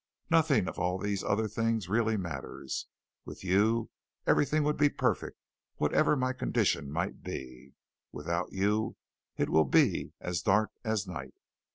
Nothing of all these other things really matters. With you, everything would be perfect, whatever my condition might be. Without you, it will be as dark as night.